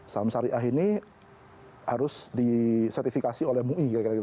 saham syariah ini harus disertifikasi oleh mui